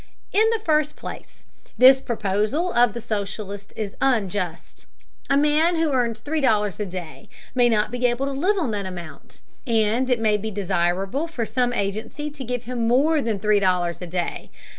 In the first place, this proposal of the socialist is unjust. A man who earns three dollars a day may not be able to live on that amount, and it may be desirable for some agency to give him more than three dollars a day.